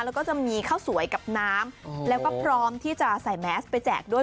แล้วก็จะมีข้าวสวยกับน้ำแล้วก็พร้อมที่จะใส่แมสไปแจกด้วย